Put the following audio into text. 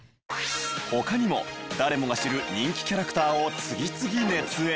他にも誰もが知る人気キャラクターを次々熱演。